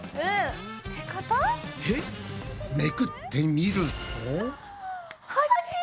めくってみると。